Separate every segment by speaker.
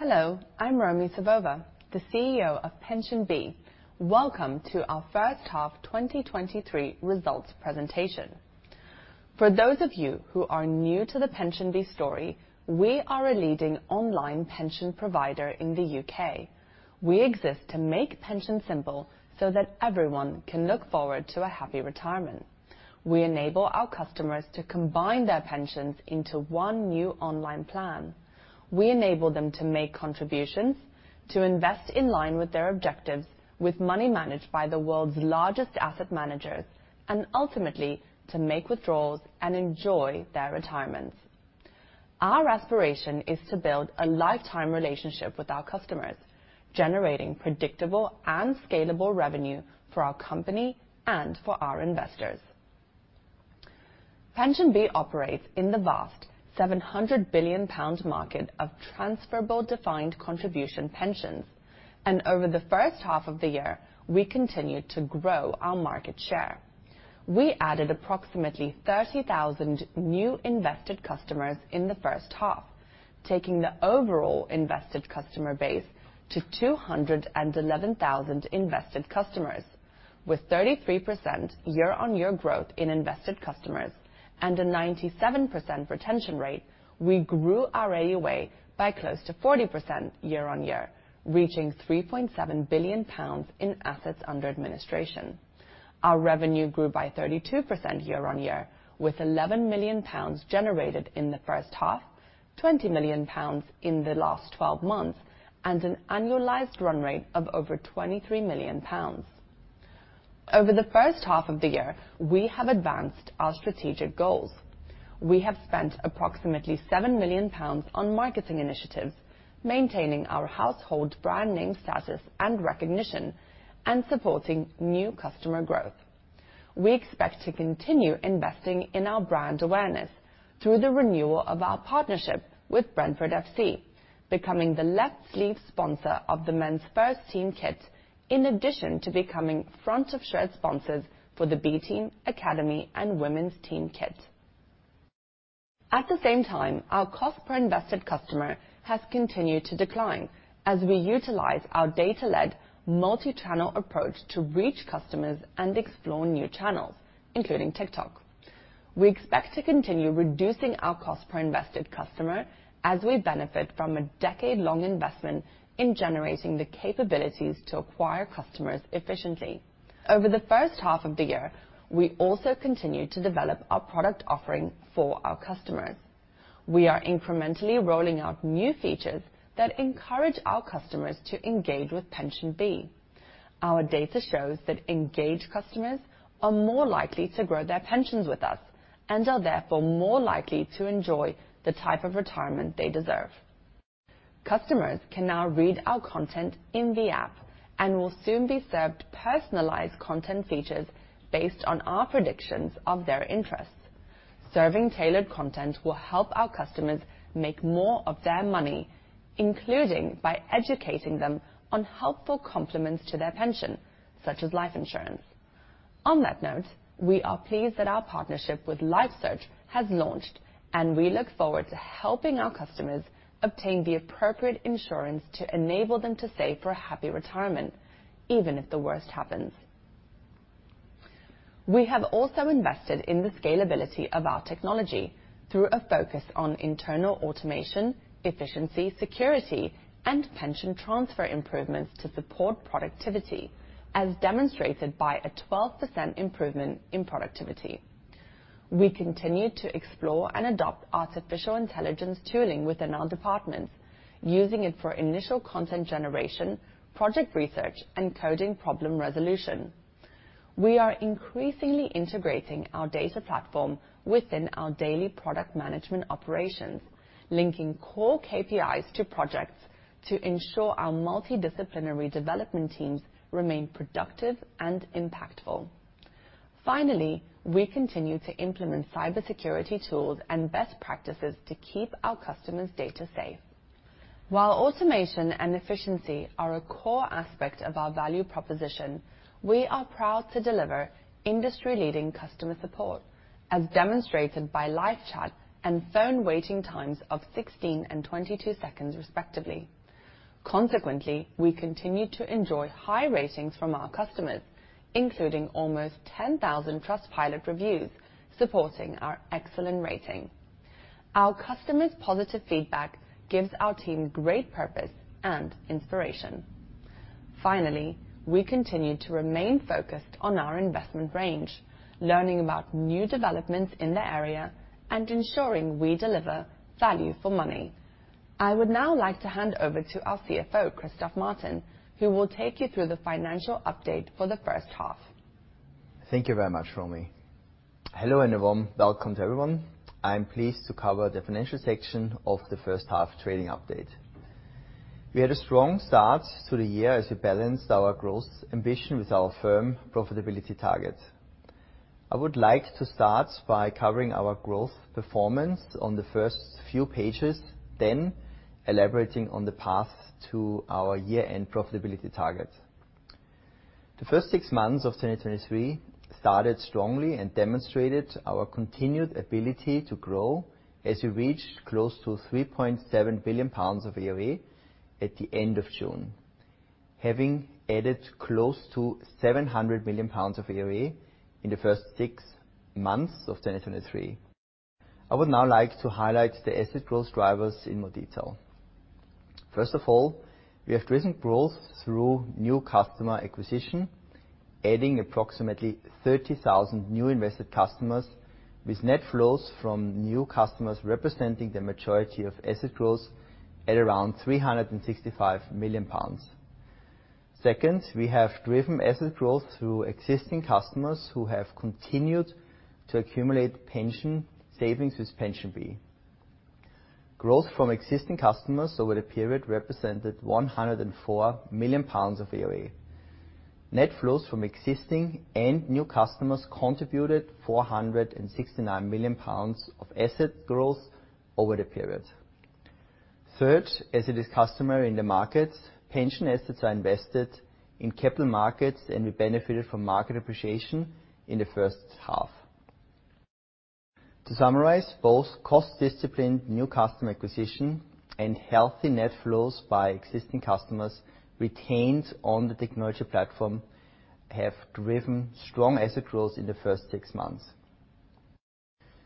Speaker 1: Hello, I'm Romi Savova, the CEO of PensionBee. Welcome to our first half 2023 results presentation. For those of you who are new to the PensionBee story, we are a leading online pension provider in the U.K. We exist to make pensions simple so that everyone can look forward to a happy retirement. We enable our customers to combine their pensions into one new online plan. We enable them to make contributions, to invest in line with their objectives, with money managed by the world's largest asset managers, and ultimately, to make withdrawals and enjoy their retirements. Our aspiration is to build a lifetime relationship with our customers, generating predictable and scalable revenue for our company and for our investors. PensionBee operates in the vast 700 billion pound market of transferable defined contribution pensions. Over the first half of the year, we continued to grow our market share. We added approximately 30,000 new invested customers in the first half, taking the overall invested customer base to 211,000 invested customers. With 33% year-on-year growth in invested customers and a 97% retention rate, we grew our AUA by close to 40% year-on-year, reaching 3.7 billion pounds in assets under administration. Our revenue grew by 32% year-on-year, with 11 million pounds generated in the first half, 20 million pounds in the last 12 months, and an annualized run rate of over 23 million pounds. Over the first half of the year, we have advanced our strategic goals. We have spent approximately 7 million pounds on marketing initiatives, maintaining our household brand name, status, and recognition, and supporting new customer growth. We expect to continue investing in our brand awareness through the renewal of our partnership with Brentford FC, becoming the left sleeve sponsor of the men's first team kit, in addition to becoming front of shirt sponsors for the B team, academy, and women's team kit. At the same time, our cost per invested customer has continued to decline as we utilize our data-led, multi-channel approach to reach customers and explore new channels, including TikTok. We expect to continue reducing our cost per invested customer as we benefit from a decade-long investment in generating the capabilities to acquire customers efficiently. Over the first half of the year, we also continued to develop our product offering for our customers. We are incrementally rolling out new features that encourage our customers to engage with PensionBee. Our data shows that engaged customers are more likely to grow their pensions with us and are therefore more likely to enjoy the type of retirement they deserve. Customers can now read our content in the app and will soon be served personalized content features based on our predictions of their interests. Serving tailored content will help our customers make more of their money, including by educating them on helpful compliments to their pension, such as life insurance. On that note, we are pleased that our partnership with LifeSearch has launched, and we look forward to helping our customers obtain the appropriate insurance to enable them to save for a happy retirement, even if the worst happens. We have also invested in the scalability of our technology through a focus on internal automation, efficiency, security, and pension transfer improvements to support productivity, as demonstrated by a 12% improvement in productivity. We continued to explore and adopt artificial intelligence tooling within our departments, using it for initial content generation, project research, and coding problem resolution. We are increasingly integrating our data platform within our daily product management operations, linking core KPIs to projects to ensure our multidisciplinary development teams remain productive and impactful. Finally, we continue to implement cybersecurity tools and best practices to keep our customers' data safe. While automation and efficiency are a core aspect of our value proposition, we are proud to deliver industry-leading customer support, as demonstrated by live chat and phone waiting times of 16 and 22 seconds, respectively. Consequently, we continue to enjoy high ratings from our customers, including almost 10,000 Trustpilot reviews, supporting our excellent rating. Our customers' positive feedback gives our team great purpose and inspiration. Finally, we continue to remain focused on our investment range, learning about new developments in the area and ensuring we deliver value for money. I would now like to hand over to our CFO, Christoph Martin, who will take you through the financial update for the first half.
Speaker 2: Thank you very much, Romy. Hello, everyone. Welcome to everyone. I'm pleased to cover the financial section of the first half trading update. We had a strong start to the year as we balanced our growth ambition with our firm profitability target. I would like to start by covering our growth performance on the first few pages, then elaborating on the path to our year-end profitability target. The first six months of 2023 started strongly and demonstrated our continued ability to grow, as we reached close to 3.7 billion pounds of AUA at the end of June, having added close to 700 million pounds of AUA in the first six months of 2023. I would now like to highlight the asset growth drivers in more detail. First of all, we have driven growth through new customer acquisition, adding approximately 30,000 new invested customers, with net flows from new customers representing the majority of asset growth at around 365 million pounds. Second, we have driven asset growth through existing customers who have continued to accumulate pension savings with PensionBee. Growth from existing customers over the period represented 104 million pounds of AUA. Net flows from existing and new customers contributed 469 million pounds of asset growth over the period. Third, as it is customary in the markets, pension assets are invested in capital markets, and we benefited from market appreciation in the first half. To summarize, both cost discipline, new customer acquisition, and healthy net flows by existing customers retained on the technology platform have driven strong asset growth in the first six months.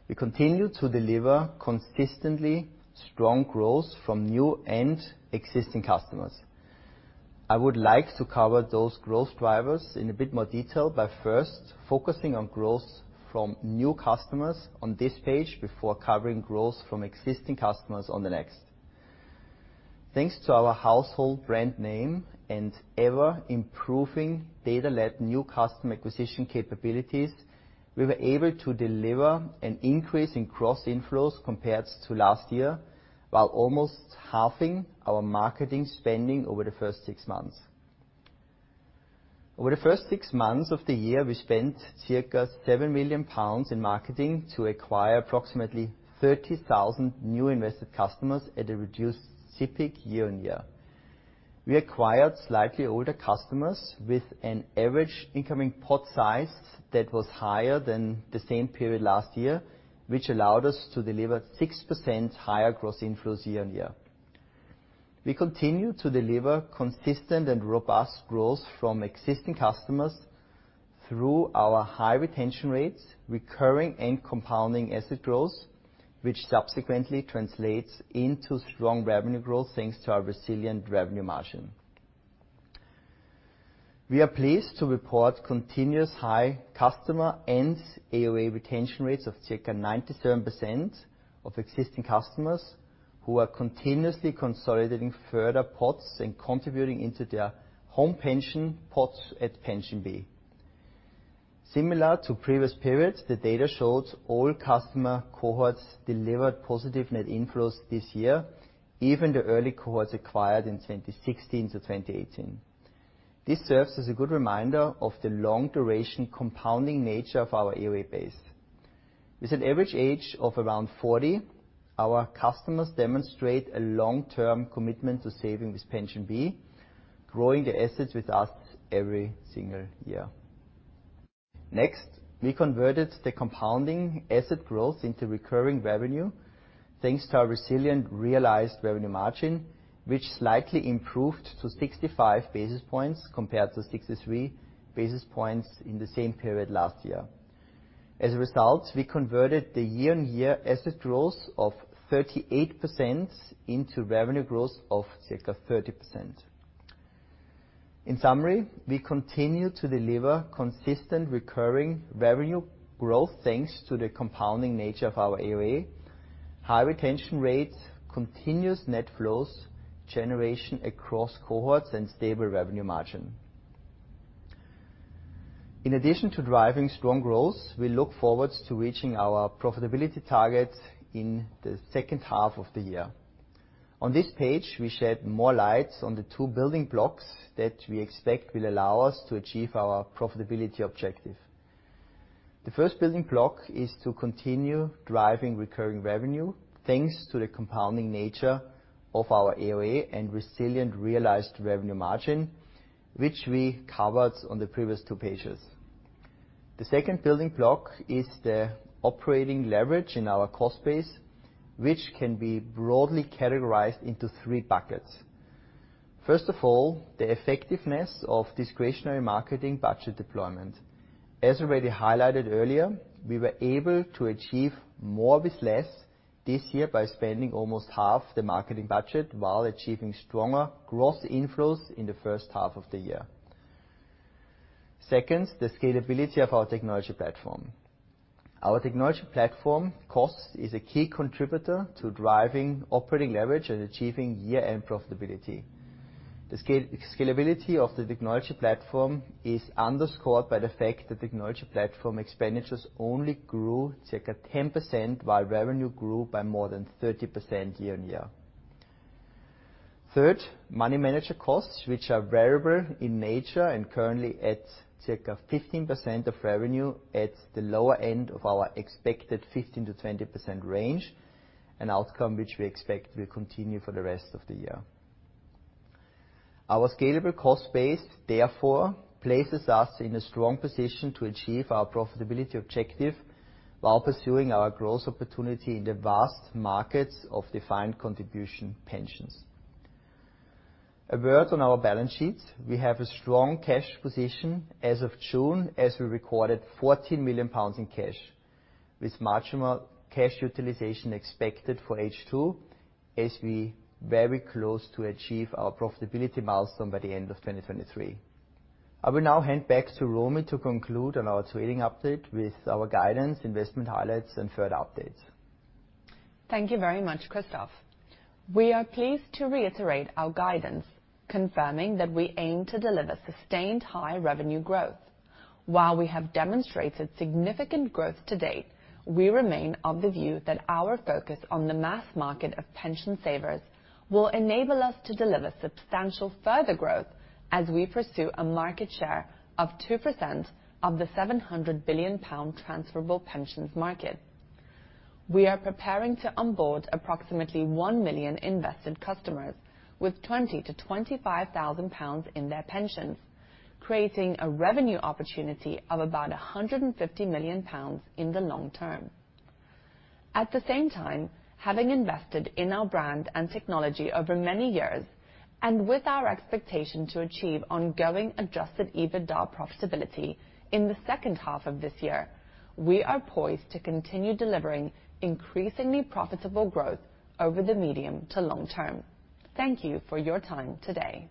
Speaker 2: We continue to deliver consistently strong growth from new and existing customers. I would like to cover those growth drivers in a bit more detail, by first focusing on growth from new customers on this page before covering growth from existing customers on the next. Thanks to our household brand name and ever-improving data-led new customer acquisition capabilities, we were able to deliver an increase in cross inflows compared to last year, while almost halving our marketing spending over the first six months. Over the first six months of the year, we spent circa 7 million pounds in marketing to acquire approximately 30,000 new invested customers at a reduced CVIC year-on-year. We acquired slightly older customers with an average incoming pot size that was higher than the same period last year, which allowed us to deliver 6% higher gross inflows year-on-year. We continue to deliver consistent and robust growth from existing customers through our high retention rates, recurring and compounding asset growth, which subsequently translates into strong revenue growth, thanks to our resilient revenue margin. We are pleased to report continuous high customer and AUA retention rates of circa 97% of existing customers, who are continuously consolidating further pots and contributing into their home pension pots at PensionBee. Similar to previous periods, the data shows all customer cohorts delivered positive net inflows this year, even the early cohorts acquired in 2016 to 2018. This serves as a good reminder of the long-duration, compounding nature of our AUA base. With an average age of around 40, our customers demonstrate a long-term commitment to saving with PensionBee, growing their assets with us every single year. We converted the compounding asset growth into recurring revenue, thanks to our resilient realized revenue margin, which slightly improved to 65 basis points compared to 63 basis points in the same period last year. We converted the year-on-year asset growth of 38% into revenue growth of circa 30%. In summary, we continue to deliver consistent recurring revenue growth, thanks to the compounding nature of our AUA, high retention rates, continuous net flows, generation across cohorts, and stable revenue margin. In addition to driving strong growth, we look forward to reaching our profitability targets in the second half of the year. On this page, we shed more light on the two building blocks that we expect will allow us to achieve our profitability objective. The first building block is to continue driving recurring revenue, thanks to the compounding nature of our AUA and resilient realized revenue margin, which we covered on the previous two pages. The second building block is the operating leverage in our cost base, which can be broadly categorized into 3 buckets. First of all, the effectiveness of discretionary marketing budget deployment. As already highlighted earlier, we were able to achieve more with less this year by spending almost half the marketing budget, while achieving stronger gross inflows in the first half of the year. Second, the scalability of our technology platform. Our technology platform cost is a key contributor to driving operating leverage and achieving year-end profitability. The scalability of the technology platform is underscored by the fact that technology platform expenditures only grew circa 10%, while revenue grew by more than 30% year-on-year. Third, money manager costs, which are variable in nature and currently at circa 15% of revenue, at the lower end of our expected 15%-20% range. An outcome which we expect will continue for the rest of the year. Our scalable cost base, therefore, places us in a strong position to achieve our profitability objective, while pursuing our growth opportunity in the vast markets of defined contribution pensions. A word on our balance sheet. We have a strong cash position as of June, as we recorded 14 million pounds in cash, with much more cash utilization expected for H2, as we very close to achieve our profitability milestone by the end of 2023. I will now hand back to Romi to conclude on our trading update with our guidance, investment highlights, and third updates.
Speaker 1: Thank you very much, Christoph. We are pleased to reiterate our guidance, confirming that we aim to deliver sustained high revenue growth. While we have demonstrated significant growth to date, we remain of the view that our focus on the mass market of pension savers will enable us to deliver substantial further growth as we pursue a market share of 2% of the 700 billion pound transferable pensions market. We are preparing to onboard approximately 1 million invested customers with 20,000-25,000 pounds in their pensions, creating a revenue opportunity of about 150 million pounds in the long term. At the same time, having invested in our brand and technology over many years, and with our expectation to achieve ongoing adjusted EBITDA profitability in the second half of this year, we are poised to continue delivering increasingly profitable growth over the medium to long term. Thank you for your time today.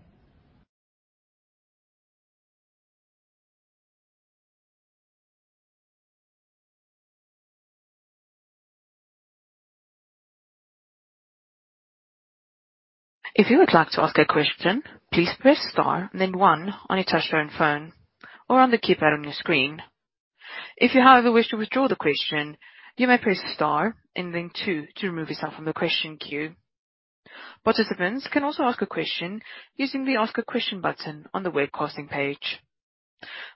Speaker 3: If you would like to ask a question, please press star and then one on your touch-tone phone or on the keypad on your screen. If you, however, wish to withdraw the question, you may press star and then 2 to remove yourself from the question queue. Participants can also ask a question using the Ask a Question button on the webcasting page.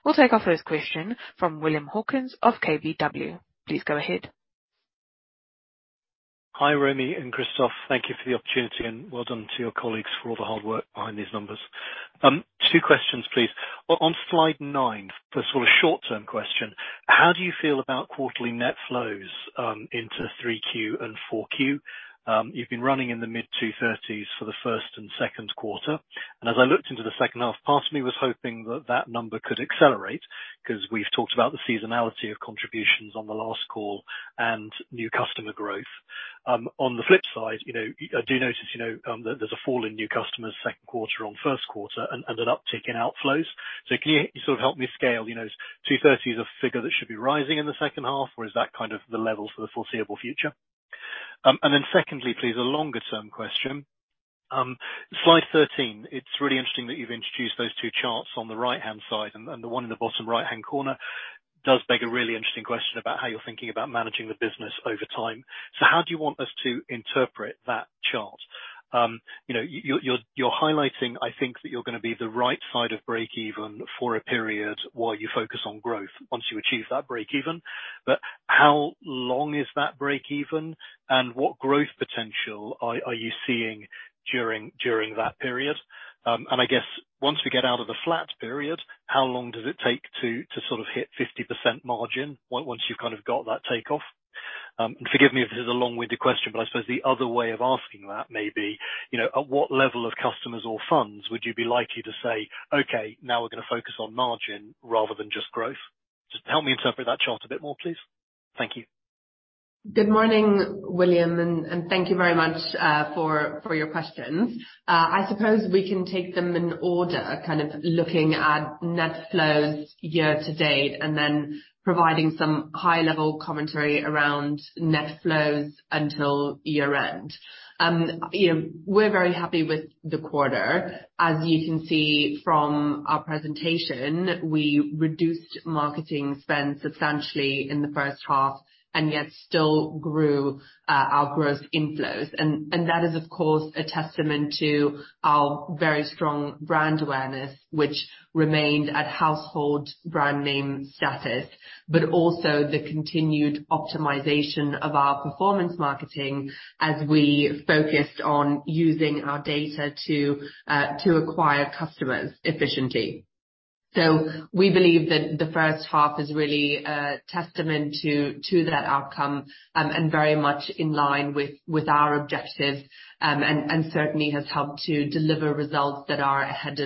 Speaker 3: We'll take our first question from William Hawkins of KBW. Please go ahead.
Speaker 4: Hi, Romy and Christoph. Thank you for the opportunity. Well done to your colleagues for all the hard work behind these numbers. Two questions, please. On slide nine, for a sort of short-term question, how do you feel about quarterly net flows into 3Q and 4Q? You've been running in the mid two thirties for the first and second quarter. As I looked into the second half, part of me was hoping that that number could accelerate, 'cause we've talked about the seasonality of contributions on the last call and new customer growth. On the flip side, you know, I do notice, you know, that there's a fall in new customers second quarter on first quarter and an uptick in outflows. Can you sort of help me scale, you know, is 230s a figure that should be rising in the second half, or is that kind of the level for the foreseeable future? Secondly, please, a longer-term question. Slide 13, it's really interesting that you've introduced those two charts on the right-hand side, the one in the bottom right-hand corner does beg a really interesting question about how you're thinking about managing the business over time. How do you want us to interpret that chart? You know, you're highlighting, I think, that you're going to be the right side of break even for a period while you focus on growth, once you achieve that break even. How long is that break even, and what growth potential are you seeing during that period? I guess, once we get out of the flat period, how long does it take to sort of hit 50% margin once you've kind of got that takeoff? Forgive me if this is a long-winded question, but I suppose the other way of asking that may be, you know, at what level of customers or funds would you be likely to say, "Okay, now we're going to focus on margin rather than just growth?" Just help me interpret that chart a bit more, please. Thank you.
Speaker 1: Good morning, William, thank you very much for your questions. I suppose we can take them in order, kind of looking at net flows year to date, and then providing some high-level commentary around net flows until year-end. You know, we're very happy with the quarter. As you can see from our presentation, we reduced marketing spend substantially in the first half, and yet still grew our gross inflows. That is, of course, a testament to our very strong brand awareness, which remained at household brand name status, but also the continued optimization of our performance marketing, as we focused on using our data to acquire customers efficiently. We believe that the first half is really a testament to that outcome, and very much in line with our objectives, and certainly has helped to deliver results that are ahead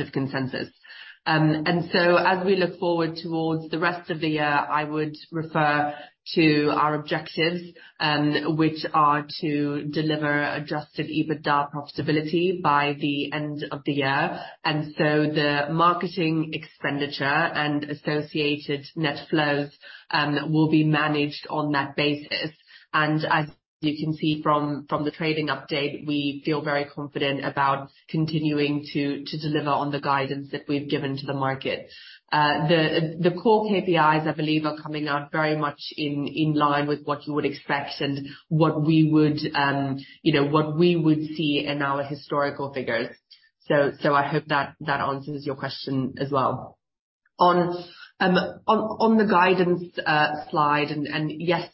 Speaker 1: of consensus. As we look forward towards the rest of the year, I would refer to our objectives, which are to deliver adjusted EBITDA profitability by the end of the year. The marketing expenditure and associated net flows will be managed on that basis. As you can see from the trading update, we feel very confident about continuing to deliver on the guidance that we've given to the market. The core KPIs, I believe, are coming out very much in line with what you would expect and what we would, you know, what we would see in our historical figures. I hope that that answers your question as well. On the guidance slide, yes,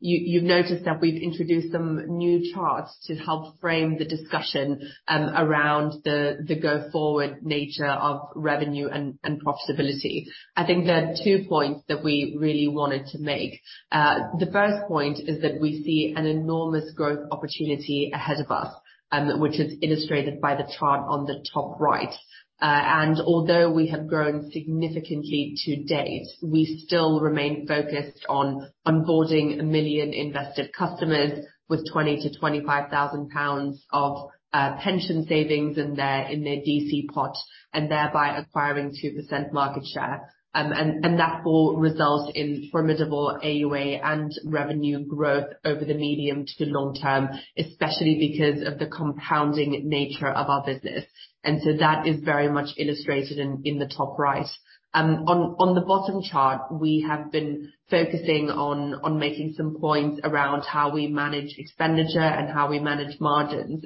Speaker 1: you've noticed that we've introduced some new charts to help frame the discussion, around the go-forward nature of revenue and profitability. I think there are two points that we really wanted to make. The first point is that we see an enormous growth opportunity ahead of us, which is illustrated by the chart on the top right. Although we have grown significantly to date, we still remain focused on onboarding a million invested customers with 20,000-25,000 pounds of pension savings in their DC pot, and thereby acquiring 2% market share. That will result in formidable AUA and revenue growth over the medium to long term, especially because of the compounding nature of our business. That is very much illustrated in the top right. On the bottom chart, we have been focusing on making some points around how we manage expenditure and how we manage margins.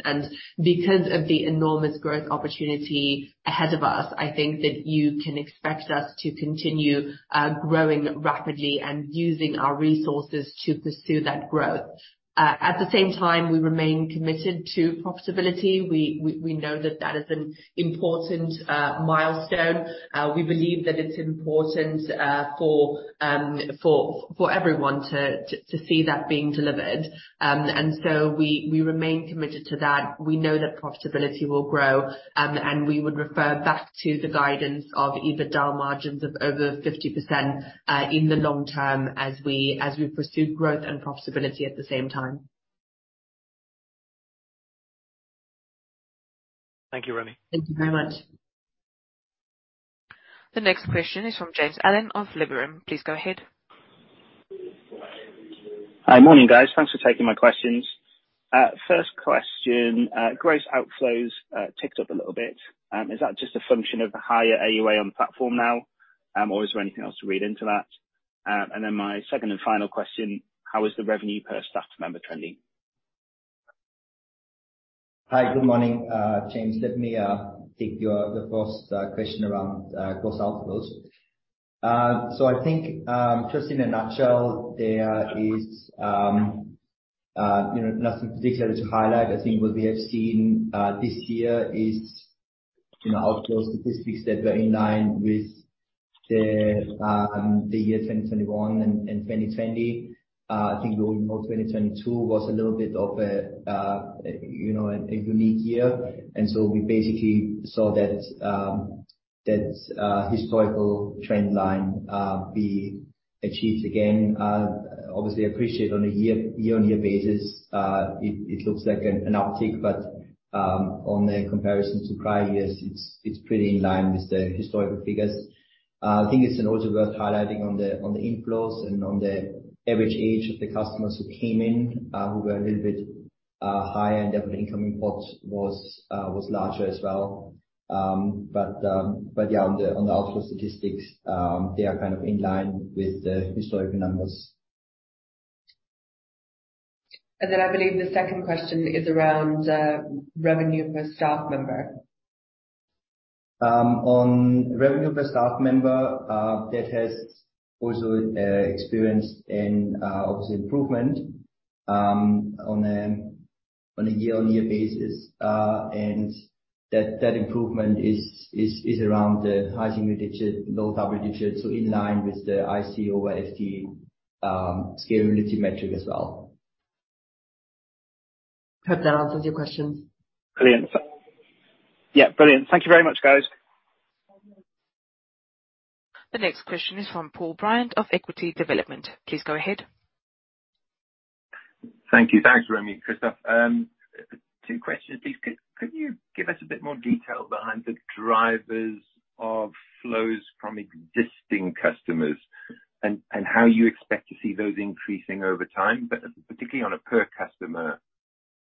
Speaker 1: Because of the enormous growth opportunity ahead of us, I think that you can expect us to continue growing rapidly and using our resources to pursue that growth. At the same time, we remain committed to profitability. We know that that is an important milestone. We believe that it's important for everyone to see that being delivered. So we remain committed to that. We know that profitability will grow. We would refer back to the guidance of EBITDA margins of over 50% in the long term, as we pursue growth and profitability at the same time.
Speaker 5: Thank you, Romi.
Speaker 1: Thank you very much.
Speaker 3: The next question is from James Allen of Liberum. Please go ahead.
Speaker 6: Hi. Morning, guys. Thanks for taking my questions. First question, gross outflows ticked up a little bit. Is that just a function of the higher AUA on the platform now, or is there anything else to read into that? My second and final question, how is the revenue per staff member trending?
Speaker 2: Hi, good morning, James. Let me take your the first question around gross outflows. I think, just in a nutshell, there is, you know, nothing particular to highlight. I think what we have seen this year is, you know, outflows statistics that were in line with the year 2021 and 2020. I think we all know 2022 was a little bit of a, you know, a unique year, we basically saw that historical trend line be achieved again. Obviously, I appreciate on a year-on-year basis, it looks like an uptick, but on the comparison to prior years, it's pretty in line with the historical figures. I think it's also worth highlighting on the, on the inflows and on the average age of the customers who came in, who were a little bit higher, and their incoming pot was larger as well. Yeah, on the, on the outflow statistics, they are kind of in line with the historical numbers.
Speaker 1: I believe the second question is around revenue per staff member.
Speaker 2: On revenue per staff member, that has also experienced an obvious improvement, on a year-on-year basis. That improvement is around the high single digit, low double digits, so in line with the IC over SD, scalability metric as well.
Speaker 1: Hope that answers your questions.
Speaker 6: Brilliant. Yeah, brilliant. Thank you very much, guys.
Speaker 3: The next question is from Paul Bryant of Equity Development. Please go ahead.
Speaker 5: Thank you. Thanks, Romi and Christoph. Two questions. Please, could you give us a bit more detail behind the drivers of flows from existing customers, and how you expect to see those increasing over time, but particularly on a per customer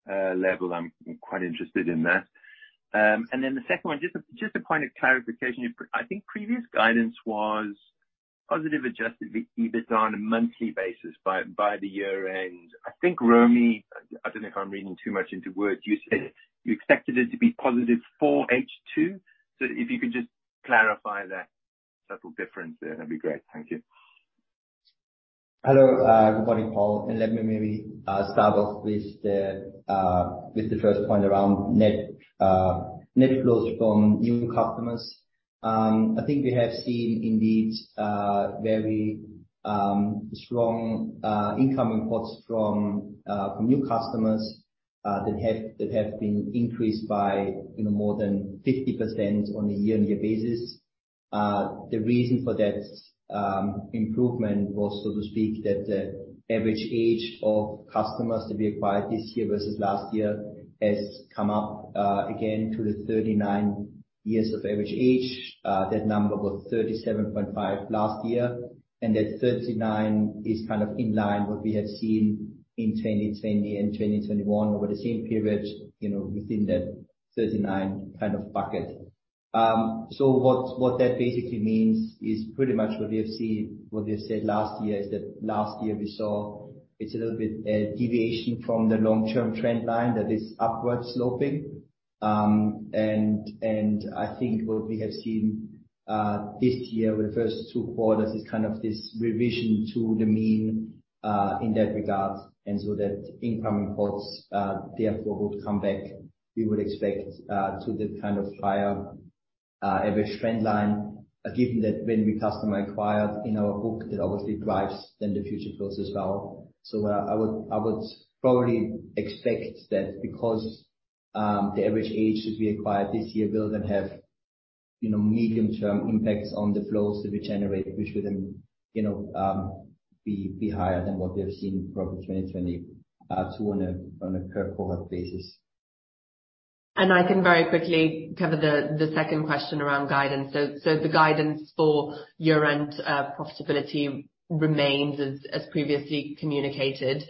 Speaker 5: level? I'm quite interested in that. The second one, just a point of clarification. I think previous guidance was positive Adjusted EBITDA on a monthly basis by the year end. I think, Romi, I don't know if I'm reading too much into words, you said you expected it to be positive for H2. If you could just clarify that subtle difference there, that'd be great. Thank you.
Speaker 2: Hello, good morning, Paul, let me maybe start off with the with the first point around net net flows from new customers. I think we have seen indeed very strong incoming ports from from new customers that have been increased by, you know, more than 50% on a year-on-year basis. The reason for that improvement was, so to speak, that the average age of customers that we acquired this year versus last year has come up again to the 39 years of average age. That number was 37.5 last year, and that 39 is kind of in line with what we have seen in 2020 and 2021 over the same period, you know, within that 39 kind of bucket. What that basically means is pretty much what we have seen, what we have said last year, is that last year we saw it's a little bit deviation from the long-term trend line that is upward sloping. I think what we have seen this year with the first two quarters is kind of this revision to the mean in that regard. That incoming ports, therefore, would come back, we would expect, to the kind of higher average trend line. Given that when we customer acquired in our book, that obviously drives then the future flows as well. I would probably expect that because the average age that we acquired this year will then have, you know, medium term impacts on the flows that we generate, which would then, you know, be higher than what we have seen from 2022 on a per cohort basis.
Speaker 1: I can very quickly cover the second question around guidance. The guidance for year-end profitability remains as previously communicated.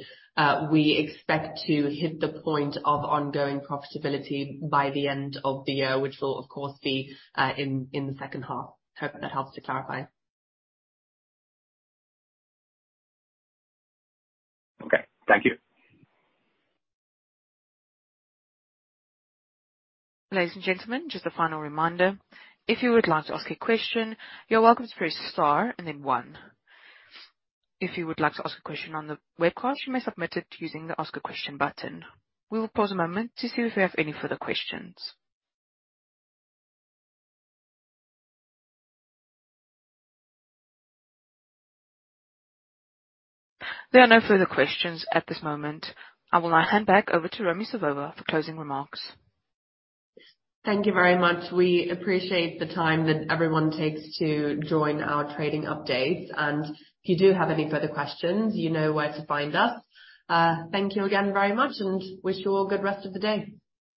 Speaker 1: We expect to hit the point of ongoing profitability by the end of the year, which will of course be in the second half. Hope that helps to clarify.
Speaker 3: Okay, thank you. Ladies and gentlemen, just a final reminder, if you would like to ask a question, you're welcome to press star and then one. If you would like to ask a question on the webcast, you may submit it using the ask a question button. We will pause a moment to see if we have any further questions. There are no further questions at this moment. I will now hand back over to Romi Savova for closing remarks.
Speaker 1: Thank you very much. We appreciate the time that everyone takes to join our trading update. If you do have any further questions, you know where to find us. Thank you again very much, and wish you all good rest of the day.